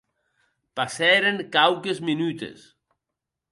Passèren quauques menutes.